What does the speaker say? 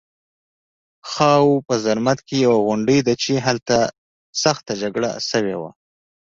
خاوو په زرمت کې یوه غونډۍ ده چې هلته سخته جګړه شوې وه